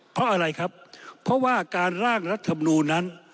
เพราะอะไรครับเพราะว่าการร่างรัฐมนูลนั้น